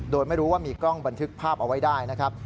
โดยไม่รู้ว่ามีกล้องบันทึกภาพเอาไว้ได้นะครับ